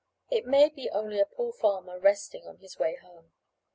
It may be only a poor farmer resting on his way home."